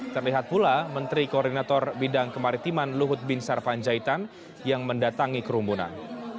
terlihat pula menteri koordinator bidang kemaritiman luhut bin sarpanjaitan yang mendatangi kerumunan